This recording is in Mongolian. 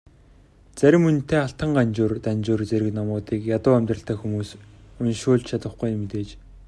Зарим үнэтэй Алтан Ганжуур, Данжуур зэрэг номуудыг ядуу амьдралтай хүмүүс уншуулж чадахгүй нь мэдээж.